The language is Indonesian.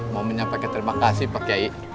mau menyampaikan terima kasih pak kiai